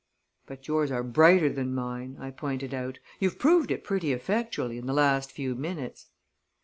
"But yours are brighter than mine," I pointed out. "You've proved it pretty effectually in the last few minutes."